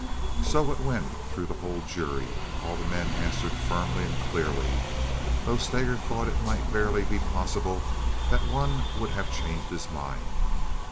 So it went through the whole jury. All the men answered firmly and clearly, though Steger thought it might barely be possible that one would have changed his mind.